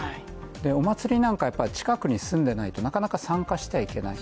お祭りなんかはやっぱり、近くに住んでいないとなかなか参加してはいけない。